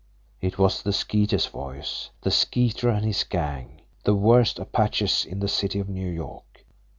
It was the Skeeter's voice. The Skeeter and his gang the worst apaches in the city of New York!